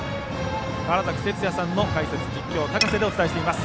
川原崎哲也さんの解説実況、高瀬でお伝えしています。